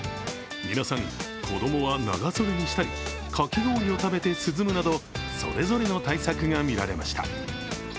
皆さん、子供は長袖にしたり、かき氷を食べて涼むなど、それぞれの対策が見られました。